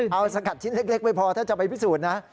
เอาสกัดชิ้นเล็กไม่พอถ้าจะไปพิสูจน์นะ